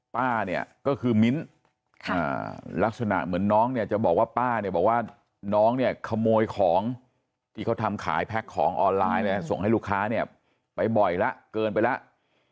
ป้าเนี่ยก็คือมิ้นลักษณะเหมือนน้องเนี่ยจะบอกว่าป้าเนี่ยบอกว่าน้องเนี่ยขโมยของที่เขาทำขายแพ็คของออนไลน์เลยส่งให้ลูกค้าเนี่ยไปบ่อยแล้วเกินไปแล้ว